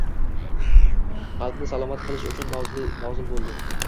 qalbni salomat qilish uchun nozil bo'ldi.